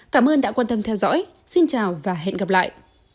cảm ơn đã quan tâm theo dõi xin chào và hẹn gặp lại